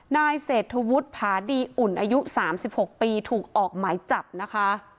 นายเศษฑุรทหาดีหลุนอายุ๓๖ปีถูกออกมัยจับนะคะ